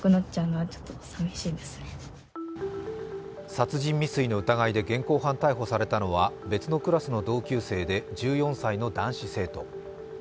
殺人未遂の疑いで現行犯逮捕されたのは別のクラスの同級生で１４歳の男子生徒。